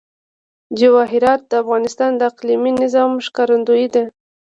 جواهرات د افغانستان د اقلیمي نظام ښکارندوی ده.